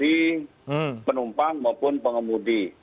yaitu untuk asuransi penumpang maupun pengemudi